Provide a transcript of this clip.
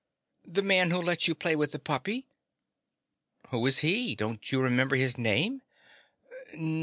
"The Man Who Lets You Play with the Puppy." "Who is he? Don't you remember his name?"